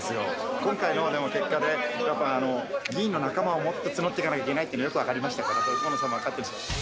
今回のでも結果で、やっぱ、議員の仲間をもっと募っていかないといけないっていうのがよく分かりましたから、河野さんも分かってるし。